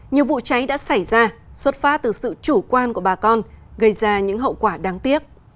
nhiều vụ cháy đã xảy ra xuất phát từ sự chủ quan của bà con gây ra những hậu quả đáng tiếc